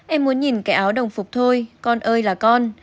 em muốn nhìn cái áo đồng phục thôi con ơi là con